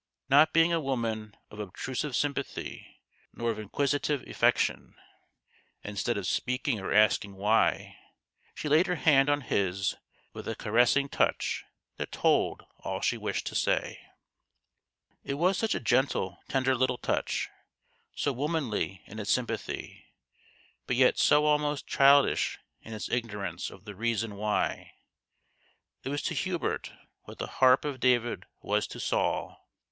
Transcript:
Not being a woman of obtrusive sympathy nor of inquisitive affection, instead of speaking or asking why, she laid her hand on his with a caressing touch that told all she wished to say. 154 THE GHOST OF THE PAST. It was such a gentle, tender little touch ! so womanly in its sympathy, but yet so almost childish in its ignorance of the reason why ! It was to Hubert what the harp of David was to Saul.